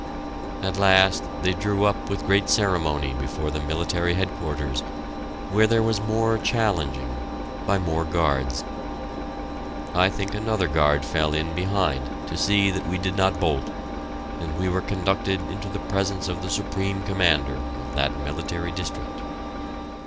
At last they drew up with great ceremony before the Military Headquarters, where there was more challenging, by more guards. I think another guard fell in behind to see that we did not bolt, and we were conducted into the presence of the Supreme Commander of that Military District.